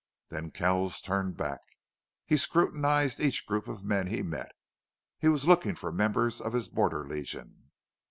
Then Kells turned back. He scrutinized each group of men he met. He was looking for members of his Border Legion.